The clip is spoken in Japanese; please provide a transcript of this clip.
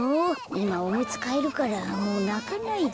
いまおむつかえるからもうなかないで。